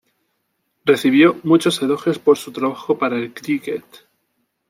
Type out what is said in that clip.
Recibió muchos elogios por su trabajo para el críquet.